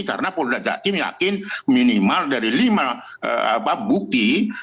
karena polda jatim yakin minimal dari lima bukti